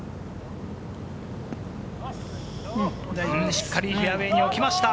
しっかりフェアウエーに置きました。